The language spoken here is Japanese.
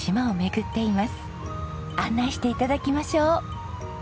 案内して頂きましょう。